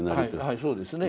はいそうですね。